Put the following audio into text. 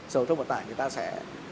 sở thông vận tải người ta sẽ